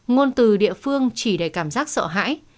ngôn từ địa phương chỉ để cảm giác sợ hãi